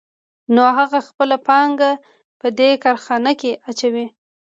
نو هغه خپله پانګه په دې کارخانه کې اچوي